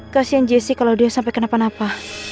kasian jessi kalau dia sampai kenapa napa